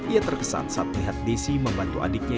ia terkesan saat melihat desi membantu adiknya